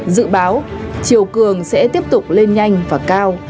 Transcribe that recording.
dự báo chiều cường sẽ tiếp tục lên nhanh và cao